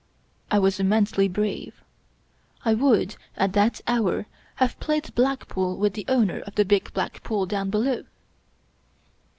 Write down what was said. I was immensely brave. I would, at that hour, have played Black Pool with the owner of the big Black Pool down below.